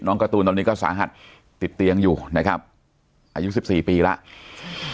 การ์ตูนตอนนี้ก็สาหัสติดเตียงอยู่นะครับอายุสิบสี่ปีแล้ว